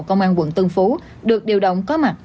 công an quận tân phú được điều động có mặt